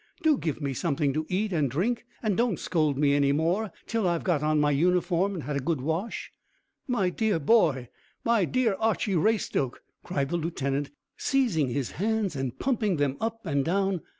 Do give me something to eat and drink, and don't scold me any more, till I've got on my uniform and had a good wash." "My dear boy! My dear Archy Raystoke!" cried the lieutenant, seizing his hands and pumping them up and down.